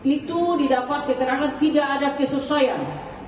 itu didapat keterangan tidak ada kesesuaian